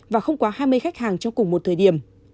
và không quá hai mươi khách hàng trong cùng một thời điểm